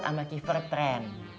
sama keeper trend